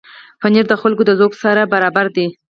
پنېر د خلکو د ذوق سره برابر دی.